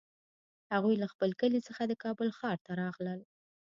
هغوی له خپل کلي څخه د کابل ښار ته راغلل